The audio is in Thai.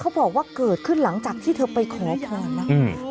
บอกว่าเกิดขึ้นหลังจากที่เธอไปขอพรนะอืม